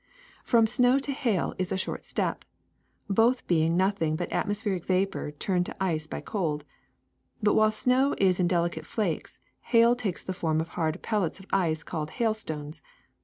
*^From snow to hail is a short step, both being nothing but atmospheric vapor turned to ice by cold. But while snow is in delicate flakes, hail takes the form of hard pellets of ice called hailstones.